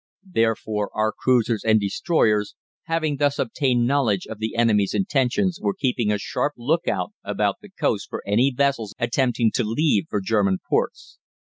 Therefore our cruisers and destroyers, having thus obtained knowledge of the enemy's intentions, were keeping a sharp lookout about the coast for any vessels attempting to leave for German ports.